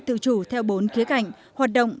tự chủ theo bốn khía cạnh hoạt động